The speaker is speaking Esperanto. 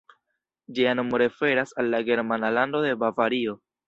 Ĝia nomo referas al la germana lando de Bavario.